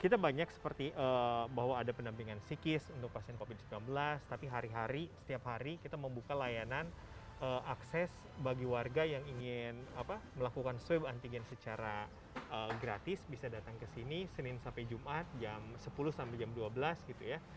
kita banyak seperti bahwa ada pendampingan psikis untuk pasien covid sembilan belas tapi hari hari setiap hari kita membuka layanan akses bagi warga yang ingin melakukan swab antigen secara gratis bisa datang ke sini senin sampai jumat jam sepuluh sampai jam dua belas gitu ya